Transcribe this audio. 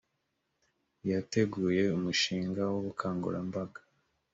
yateguye umushinga w ‘ubukangurambaga .